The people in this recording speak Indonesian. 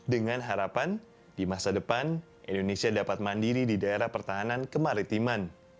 dengan harapan di masa depan indonesia dapat mandiri di daerah pertahanan kemaritiman